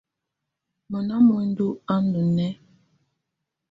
Mɔna muǝndu á ndɔ nɛ̀á.